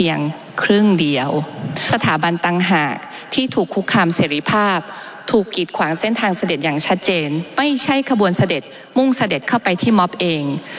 ยังเช่นไม่ใช่คบวนเสด็จมรุงเสด็จเข้าไปที่มอบเอง